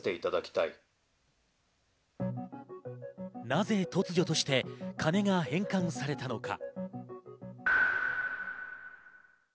なぜ突如として金が返還されたのか？